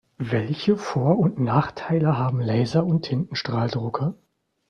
Welche Vor- und Nachteile haben Laser- und Tintenstrahldrucker?